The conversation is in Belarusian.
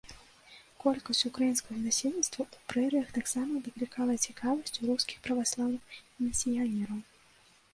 Колькасць украінскага насельніцтва ў прэрыях таксама выклікала цікавасць у рускіх праваслаўных місіянераў.